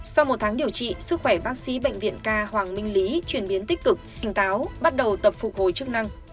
sau một tháng điều trị sức khỏe bác sĩ bệnh viện ca hoàng minh lý chuyển biến tích cực tỉnh táo bắt đầu tập phục hồi chức năng